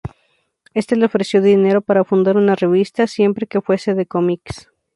Éste le ofreció dinero para fundar una revista, siempre que fuese de cómics.